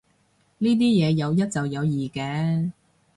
呢啲嘢有一就有二嘅